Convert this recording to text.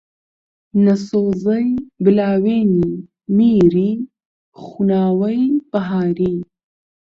نە سۆزەی بلاوێنی میری، خوناوەی بەهاری